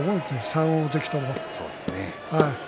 ３大関とも。